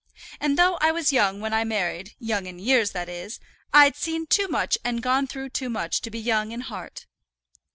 And though I was young when I married young in years, that is, I'd seen too much and gone through too much to be young in heart."